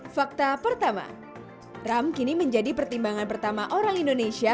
fakta pertama ram kini menjadi pertimbangan pertama orang indonesia